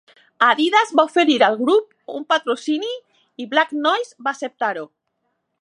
Adidas va oferir al grup un patrocini, i Black Noise va acceptar-lo.